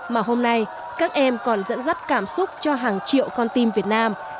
mà hôm nay các em còn dẫn dắt cảm xúc cho hàng triệu con tim việt nam